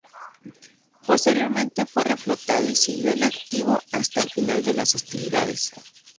Posteriormente, fue reflotado, y siguió en activo hasta el final de las hostilidades.